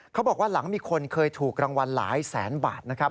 เขาบอกว่าหลังมีคนเคยถูกรางวัลหลายแสนบาทนะครับ